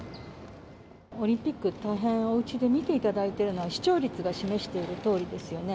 オリンピック、大変おうちで見ていただいてるのは、視聴率が示しているとおりですよね。